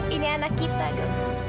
ini anak kita do